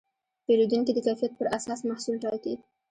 پیرودونکي د کیفیت پر اساس محصول ټاکي.